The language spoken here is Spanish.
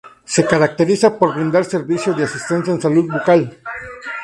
Se caracteriza por brindar servicio de asistencia en salud bucal.